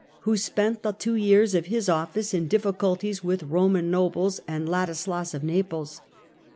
who spent the two years of his office in difficulties with Roman nobles and Ladislas of Naples.